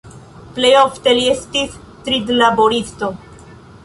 Plej ofte li estis trudlaboristo.